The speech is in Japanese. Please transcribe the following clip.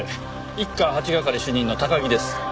一課８係主任の高木です。